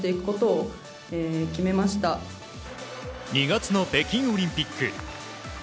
２月の北京オリンピック。